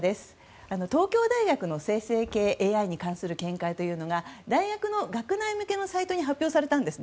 東京大学の生成系ＡＩに関する見解というのが大学の学内向けのサイトに発表されたんです。